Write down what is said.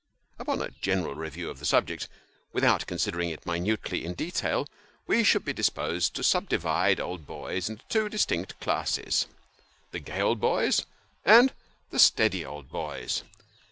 Upon a general review of the subject, and without considering it minutely in detail, we should be disposed to subdivide the old boys into two distinct classes the gay old boys, and the steady old boys.